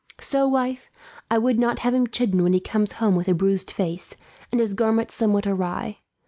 "So, wife, I would not have him chidden when he comes home with a bruised face, and his garments somewhat awry.